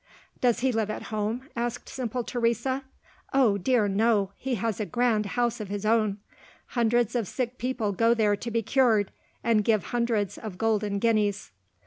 "Does he live at home?" asked simple Teresa. "Oh, dear, no! He has a grand house of his own. Hundreds of sick people go there to be cured, and give hundreds of golden guineas."